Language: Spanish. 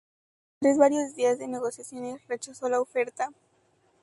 Sin embargo, tras varios días de negociaciones, rechazó la oferta.